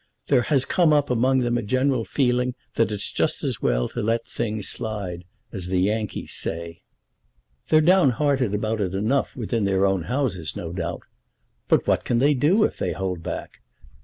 There has come up among them a general feeling that it's just as well to let things slide, as the Yankees say. They're down hearted about it enough within their own houses, no doubt. But what can they do, if they hold back?